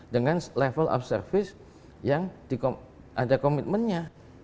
dengan level of service yang ada komitmennya